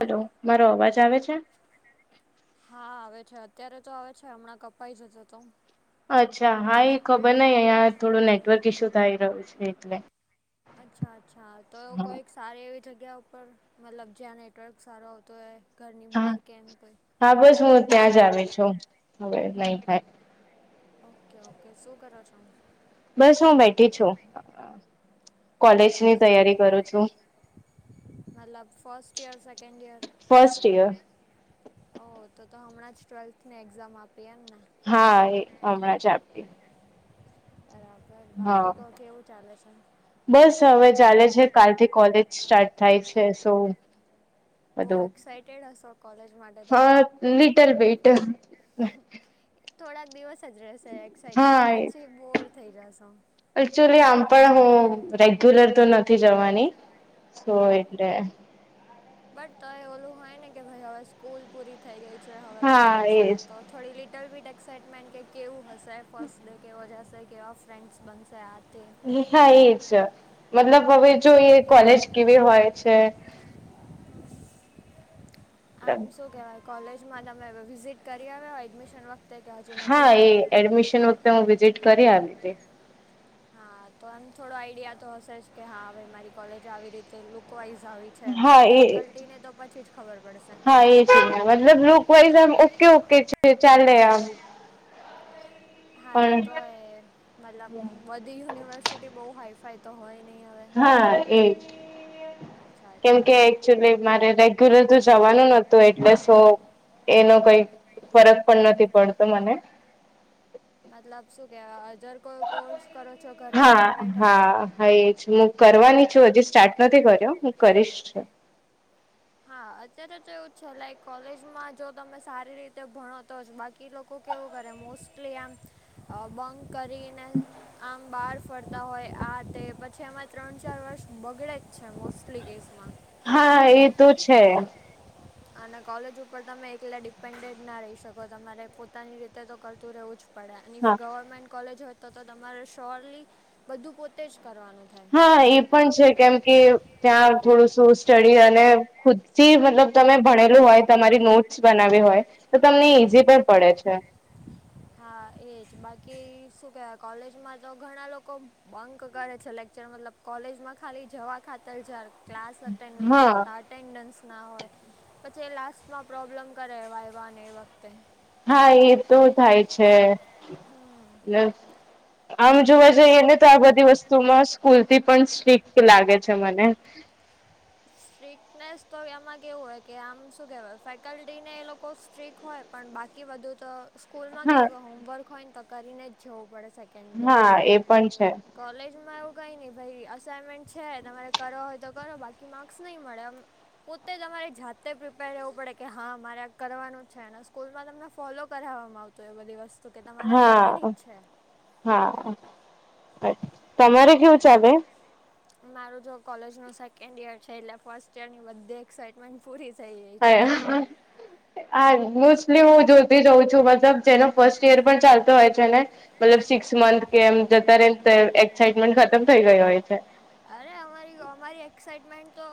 Hello મારો અવાજ આવે છે. હા આવે છે અત્યારે તો આવે છે હમણાં કપાઈ જશે તો અચ્છા હા એ ખબર નહ અહં થોડું નેટવર્ક ઈશ્યુ થઈ રહ્યું છે એટલે અચ્છા અચ્છા તો એ હા કોઈક સારી એવી જગ્યા ઉપર મતલબ જ્યાં નેટવર્ક સારો આવતો હોય ઘરની હા બહાર કેમ કોઈ હા બસ હું ત્યાં જ આવે છું હવે નહી થાય. ઓકે ઓકે શું કરો છો. બસ હું બેઠી છું. કોલેજની અચ્છા તૈયારી કરું છું તૈયારી મતલબ first year second year first year. ઓ તો તો હમણાં જ ટ્વેલ્થ ને એક્ઝામ આપી એમને. હા એ હમણાં જ આપડી. બરાબર હા બાકી તો કેવું ચાલે છે. બસ હવે ચાલે છે કાલથી કોલેજ સ્ટાર્ટ થાય છે સો. બહુ બધું એક્સાઇટેડ હો કોલેજ માંટે. હા લિટલ બીટ. થોડાક દિવસ જ રહેશે હા એક્સાઈટમેન્ટ પછી બોર થઈ જસો. એકચુલી આમ પણ હું રેગ્યુલર તો નથી જવાની હા એટલે. બટ તો એ ઓલું હોય ને કે ભાઈ હવે સ્કૂલ પૂરી થઈ ગઈ છે હવે હા કોલેજ છે એજ તો થોડી લિટલ વિથ એક્સાાઈટમેન્ટ કે કેવું હશે ફર્સ્ટ ડે કેવો જ હશે કે ઓફ ફ્રેન્ડ્સ બનશે આ તે. હા એજ મતલબ હવે જો એ કોલેજ કેવી હોય છે. આમ શું કેહેવાય કોલેજમાં તમે વિઝિટ કરી આવ્યા એડમિશન વખતે. કે હજુ નથી હા એ ગયા એડમિશન વખતે હું વિઝિટ કરી આવી રીતે હા તો એમ થોડો આઈડિયા તો હશે જ કે હા હવે મારી કોલેજ આવી રીતે લુક વાઈઝ આવી છે હા બાકી એ ફેકલ્ટીને તો પછી જ ખબર પડશે. હા એ મતલબ લુક વાઈઝમ ઓકે ઓકે ચાલ આમ. હા એ પણ તો હ મતલબ બધી યુનિવર્સિટી બહુ હાઈફાઈ તો હોય નહી હવે. હા એજ અચ્છા કેમ અચ્છા કે એકચુલી શું મારે તરત જવાનું નતું એટલે સૈ. એનો કઈ ફરક પણ નથી પડતો મને. મતલબ શું કેવા અજર કોઈ કોર્સ કરો છો ઘરે હા બેઠા બેઠા હા હ એજ. કરવાની છું હજી સ્ટાર્ટ નથી કર્યો હું કરીશ. છે હા અત્યારે તો એવું છે લાઈક કોલેજમાં જો તમે સારી રીતે ભણો તો જ બાકી એ લોકો કેવું કરે મોસ્ટલી આમ બંક કરીને આમ બાર ફરતા હોય આ તે પછી એમાં ત્રણ ચાર વર્ષ બગડે જ છે મોસ્ટલી કેસમાં હા એ તો છે. અને કોલેજ ઉપર તમે એકલા ડિપેન્ડેન્ટ ના રહી શકો તમારે પોતાની રીતે તો કરતું રહેવું જ પડે અનેઇ હા ગવર્મેન્ટ કોલેજ હોય તો તમારે શ્યોરલી બધું પોતે જ કરવાનું થાય. હા એ પણ છે કેમ કે. ત્યાં થોડું શું સ્ટડી અને ખુદ થી મતલબ તમે ભણેલું હોય તમારી નોટ બનાવ્યો હોય તો તમને ઈઝી પણ પડે છે. હા એજ બાકી શું કેવાય કોલેજમાં તો ઘણા લોકો બંક કરે છે લેક્ચર મતલબ કોલેજમાં ખાલી જવા ખાતર જાર ક્લાસ અટેન્ડ નહીં હા કરતા અટેન્ડન્સ ના હોય પછી એ લાસ્ટમાં પ્રોબ્લેમ કરે વાયવા ને એ વખતે હા એ તો થાય છે. હમ આમ જોવા જઈએ ને તો આ બધી વસ્તુમાં સ્કૂલ થી પણ સ્ટ્રિક લાગે છે મને સ્ટ્રીકનેસ તો એમાં કેવું હોય કે આમ શું કહેવાય ફેકલ્ટી ને એ લોકો સ્ટ્રીક હોય પણ બાકી બધું તો સ્કૂલ માં હા કેવું કે હોમવર્ક હોયને તો કરીને જ જવું પડે સેકન્ડ ડે હા એ પણ છે. કોલેજમાં એવું કઈ નહી ભાઈ અસાાઈનમેન્ટ છે તમારે કરો હોય તો કરો બાકી માર્ક્સ નહીં મળે પોતે તમારે જાતે પ્રિપેર રહેવું પડે કે હા મારે આ કરવાનું છે ને સ્કૂલમાં તમને ફોલો કરાવવામાં આવતું તો એ બ દિવસ હા હા તમારે કેવું ચાલે મારું જો કોલેજ નું સેકન્ડ યર છે એટલે ફર્સ્ટ યર બધે એક્સાઇટમેન્ટ પૂરી થઈ છે [inaudible] હા મોસ્ટલી હું જોઈતી જઉં છું મતલબ જેનો ફર્સ્ટ યર પણ ચાલતો હોય છે ને મતલબ સિક્સ મંથ કે એમ જતા રે તો એક્સાાઈટમેન્ટ ખતમ થઇ ગય હોય છે. અરે અમારી અમારી એક્સાઈટમેન્ટ તો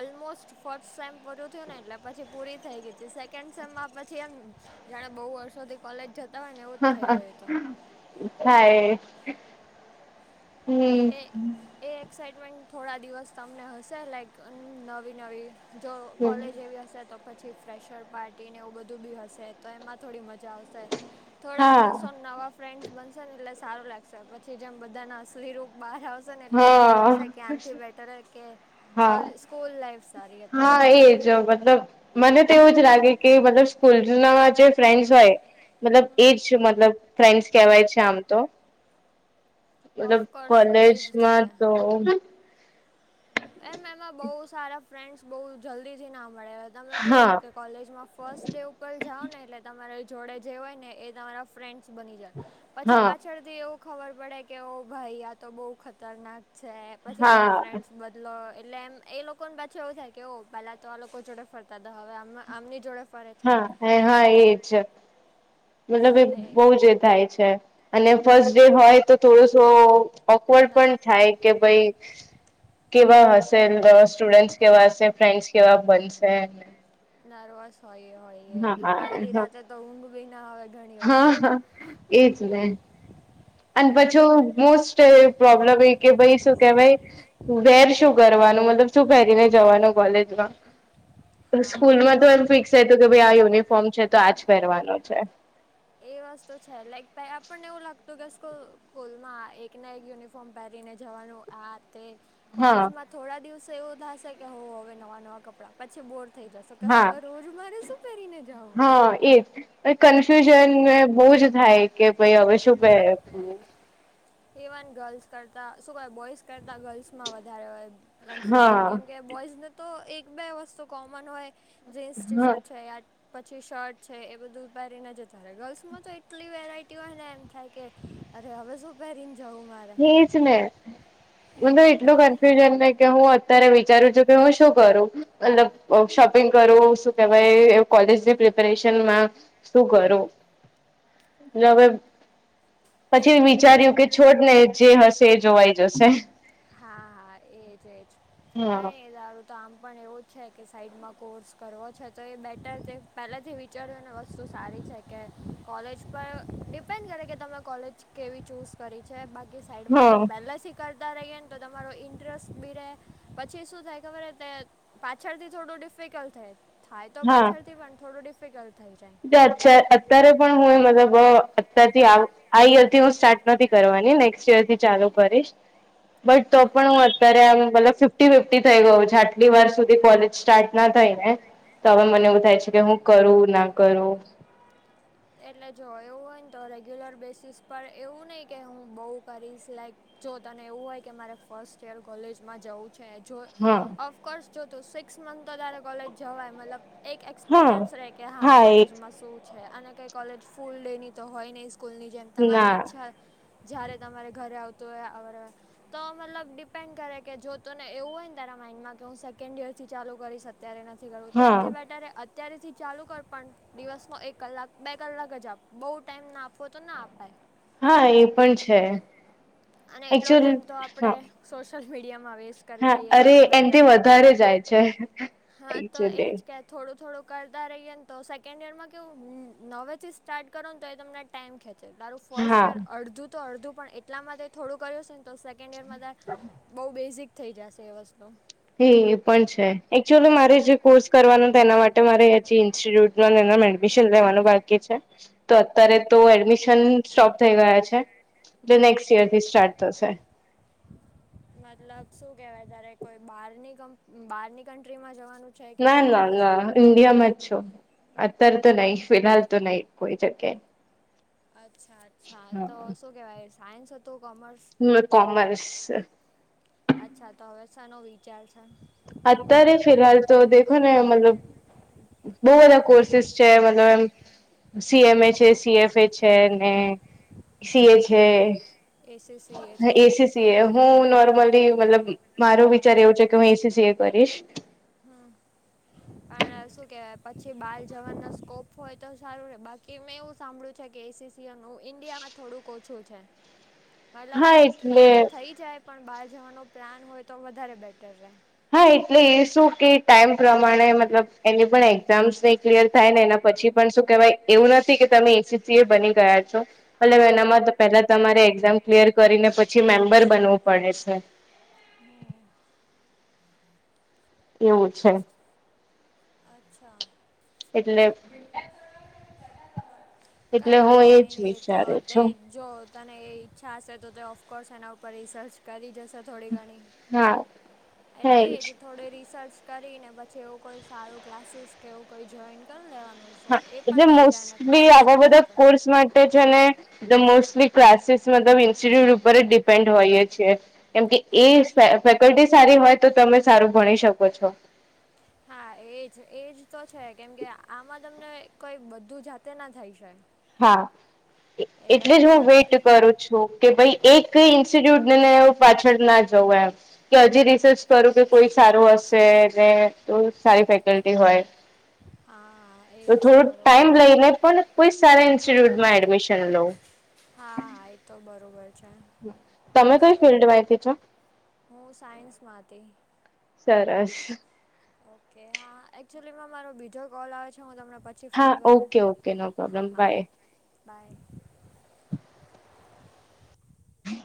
ઓલમોસ્ટ ફસ્ટ સેમ પૂરું થયું ને એટલે પછી પૂરી થઈ ગઈ છે સેકન્ડ સેમમાં પછી એમ જાણે બહુ વર્ષો થી કોલેજ જતા હોય ને એવુ થાય હમ્મ એ એ એક્સાઈટમેન્ટ થોડા દિવસ તમને હશે લાઈક નવી નવી જો કોલેજ એવી હશે તો. પછી ફ્રેશર પાર્ટીને એવું બધું બી હશે તો એમાં થોડી મજા આવશે. થોડાક હા દિવસો નવા ફ્રેન્ડ્સ બનશે ને એટલે સારું લાગશે પછી જેમ બધાના અસલી રૂપ બહાર આવશે ને એટલે એવું હા લાગશે કે આથી બેટર કે હા કોલે સ્કૂલ લાઈફ સારી હતી હા એજ મતલબ મને તો એવું જ લાગે કે મતલબ સ્કૂલ જૂના માંજ ફ્રેન્ડસ હોય મતલબ હમ એજ મતલબ ફ્રેન્ડસ કેહેવાય છે આમ તો મતલબ ઓફકોર્સ એ જ છે કોલેજમાં તો એમ એમાં બઉુ સારા ફ્રેન્ડ્સ બઉ જલ્દી થી ના મળ્યા તમે કેવું હા હા કે કોલેજમાં ફર્સ્ટ ડે ઉપર જાઓ ને એટલે તમારી જોડે જે હોય ને એ તમારા ફ્રેન્ડ બની જાય પછી હા પાછળથી એવું ખબર પડે કે ઓ ભાઈ આ તો બહુ ખતરનાક છે પછી તમે ફ્રેન્ડ્સ બદલો એટલે એમ એ લોકો ને પાછું એવું થાય કે ઓ પેલા તો આ લોકો જોડે ફરતા હતા હવે આમ આમની જોડે ફરે છે. હ હા એજ મતલબ એ બહુ જ એ થાય છે. અને ફસ્ટ હા ડે હોય તો થોડોસો ઓકવર્ડ ના પણ થાય કે ભાઈ કેવા હશે સ્ટુડ કેવા હશે ફ્રેન્ડસ કેવા બનશે નર્વસ હોય હોય એ હા હા આગલી હા. રાતે તો ઊંઘ બી ના આવે ઘણી હા વખતે હા એજ ને અને કઈ નહી પછું મોસ્ટ પ્રોબ્લેમ એ કે ભાઈ શું કેવાય વેર શું કરવાનું મતલબ શું પહેરીને જવાનું કોલેજમાં તો હા સ્કૂલમાં તો એમ ફિક્સ હતું કે ભાઈ આ યુનિફોર્મ છે તો આજ પહેરવાનો છે. એ વસ્તુ છે લાઈક ભાઈ આપણને એવું લાગતું કે સ્કૂલમાં એક ના એક યુનિફોર્મ ફોર્મ પહેરીને જવાનું આ તે હા કોલેજમાં થોડા દિવસે એવું થશે કે હો હવે નવા નવા કપડા પછી બોર થઈ જશો કે હા હવે રોજ મારે શું પહેરીને જાઓ હા એજ કન્ફ્યુઝન બહુ જ થાય કે ભાઈ હવે શું પેરે ઇવન ગર્લ્સ કરતા શું ક બોઇસ કરતા ગર્લ્સમાં વધારે કન્ફ્યુઝન હા કેમ કે બોઈઝને તો એક બે વસ્તુ કોમન હોય જીન્સ ટી હા શર્ટ છે. પછી શર્ટ છે એ બધું પહેારીને જતા ગર્લ્સમાં તો એટલી વેરાયટીઓ ને એમ થાય. કે અરે હવે શું પહેરીને જવું મારે. એ જ ને મને તો એટલું કન્ફ્યુઝન નહ કે હું અત્યારે વિચારું છું કે હું શું કરું મતલબ શોપિંગ કરવું શું કહેવાય કોલેજની પ્રિપરેશનમાં શું કરુ હવે પછી વિચાર્યું કે છોડને જે થશે એ જોવાઈ જશે હા હા એજ એજ હા કઈ એ દારું તો આમ પણ એવું છે કે સાઈડમાં કોર્સ કરવો છે તો એ બેટર પહેલાથી વી ટચરીઓને વસ્તુ સારી છે કે કોલેજ પર ડિપેન્ડ કરે કે તમે કોલેજ કેવી ચૂઝ કરી છે બાકી સાઈડમાં જે હા પહેલા શી તા રહે ને તો તમારો ઇન્ટરેસ્ટ બી ર પછી શું થાય ખબર ત પાછળથી થોડું ડિફિકલ્ટ થાય થાય તો હા પાછળથી પણ થોડું ડિફિકલ્ટ થઈ જાય અ અત્યારે પણ હું મતલબ અ આ ઈયર થી હું સ્ટાર્ટ નથી કરવાની નેક્સ્ટ ઈયર થી ચાલુ કરીશ બટ તો એટલે પણ હું અત્યારે આમ મતલબ ફિફ્ટી ફિફ્ટી થઈ ગયો છે આટલી વાર સુધ કોલેજ સ્ટાર્ટ ના થાય ને તો હવે મને એવું થાય છે કે હું કરું ના કરું. એટલે જો એવું હોય ને તો રેગ્યુલર બેસીિસ પર એવું નહીં કે હું બહુ કરીશ લાઈક જો તને એવું હોય કે મારે ફર્સ્ટ યર કોલેજમાં જવું છે. જો હા ઓફકોર્સ જો તું સિક્સ મંથ તો તારે કોલેજ જવાય મતલબ. એક હા એક્સપિરિયન્સ રહે કે હા કોલેજમાં શું છે અને. કઈ કોલેજ ફૂલ ડે ની તો હોય નહી સ્કૂલ ની જેમ તમારી ઈચ્છા ના જયારે તમારે ઘરે આવતું હોય [unintelligible] તો મતલબ ડિપેન્ડ કરે કે જો તુંને એવું હોય ને તાર માન્ડમાં કે હું સેકન્ડ ઈયરથી ચાલુ કરી શક અત્યારે નથી કરવું તો હા એથી બેટરે અત્યારેથી ચાલુ કર પણ દિવસનો એક કલાક. બે કલાક જ આપો બહુ ટાઈમ ના આપવો તો ના અપાય. હા એ પણ છે. અને એટલો એકચુલી ટાઈમ તો આપણે. હા સોશિયલ મીડિયા માં વેસ કરી હા દઈએ અરે એનથી એનાથી બેટર એ વધારે જાય છે હા તો એકચુલી એજ કે થોડું થોડું કરતા રહીએને તો સેકન્ડ યરમાં કેવું નવેથી સ્ટાર્ટ કરો ને તો એ તમને ટાઈમ ખેંચ. તારું ફર્સ્ટ હા યર અડધું તો અડધું પણ એટલામાં થોડું કર્યું છે ને તો સેકન્ડ ઈયરમાં તાર બઉુ બેઝિક થઈ જશે એ વસ્તુ. હ એ પણ છે એકચુઅલી મારે જે કોર્સ કરવાનો એના માટે મારે હજી ઇન્સ્ટિટ્યુટ. મિશન લેવાનું બાકી છે તો ઓ. અત્યારે તો એડમિશન. સ્ટોપ થઈ ગયા છે એલે હમ નેક્સ્ટ યર થી સ્ટાર્ટ થશે. મતલબ શું કેવાય તારે કોઈ બારની બહારની કન્ટ્રીમાં જવાનું? છે કે ના ના ઇન્ડિયામાં જ ના ઇન્ડિયામાં જ છું. અત્યારે તો નહીિ ફિલહાલ તો નહી કોઈ જગ્યાએ. અચ્છા અચ્છા તો શું કહેવાય સાયન્સ હત કોમર્સ? હ કોમર્સ. અચ્છા તો હવે સર નો વિચાર છે. અત્યારેે ફિલહાલ તો દેખો ને મતલબ. બહુ બધા કોર્સેિસ છે મતલબ એમ. સી એમ એ છે સી એફ એ છે સી એ છે. એસએસસીએચ અ. એસીસી હું નોર્મલી મતલબ મારો વિચાર એવું છે કે હું એસીસીએ કરીશ. હમ પણ શું કેવાય પછી બાર જવાના સ્કોપ હોય તો સારું બાકી. કે મેં એવું સાંભળ્યું છે કે એસી સીએ નું ઇન્ડિયામાં થોડુંક ઓછું છે. મતલબ હા એટલે ઠીક એ થઈ જાય પણ બહાર જવાનો પ્લાન હોય તો વધારે બેટર રહે. હા એટલે એ શું કે ટાઈમ પ્રમાણે મતલબ એની પણ એક્ઝામ્સ ક્લિયર થાય ને એના પછી પણ શું કેહેવાય એવું નથી કે તમે એસીસી એ બની ગયા છો. એટલે એનામાં તો પેલા તમારે એક્ઝામ ક્લિયર કરીને પછી મેમ્બર બનવું પડે છે. હમ. એવું છે. અચ્છા. એટલે એટલે કઈ હું નહી કઈ એજ નહી એ તો વિચારું તે છું જો તને એ ઈચ્છા હશે તો તે ઓફકોર્સ એના ઉપર રિસર્ચ કરી જશે થોડી ઘણી. હા. હા એટલે એ એજ જ થોડ રિસર્ચ કરીને પછી એવું કોઈ સારું ક્લાસીસ કે એવું કોઈ જોઈન કરી લેવાનું. સો હા એ એટલે પણ થઈ જાય અને મોસ્ટલી કોલેજ આવા પણ બધા થઈ જાય કોર્સમાં મોસ્ટલી ક્લાસીસ મતલબ ઇન્સ્ટિટ્યુટ ઉપર જ ડિપેન્ડ હોઈએ છીએ. કેમકે હા એ ફેકલ્ટી સારી હોય તો તમે સારું ભણી શકો છો. હા એજ એજ તો છે કેમ કે આમાં તમને કઈ બધું જાતે ના થાય છે. હા એટલે જ હું વેઇટ કરું છું. કે ભાઈ એક ઇન્સ્ટિટ્યુટ ને પાછળ ના જવું એમ કે હજી રિસર્ચ કરું કે કોઈ સારું હશે ને તો સારી ફેકલ્ટી હોય. હા તો એજ બરોબર છે. ઇન્સ્ટિટ્યુટમાં એડમિશન લઉ. હા એ તો બરોબર છે. તમે કઈ ફિલ્ડમાંથી છો? હું સાયન્સમાં હતી. સરસ. ઓકે હા એકચુલીમાં મારો બીજો કોલ આવે છે હું તમને પ છી ફોન હા કરું, ઓકે ઓકે નો હા પ્રોબ્લેમ હા બાય બાય.